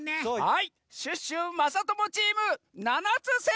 はいシュッシュまさともチーム７つせいかい！